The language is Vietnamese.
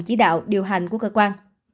chỉ đạo điều hành của cơ quan